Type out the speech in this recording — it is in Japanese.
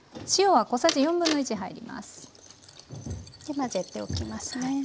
混ぜておきますね。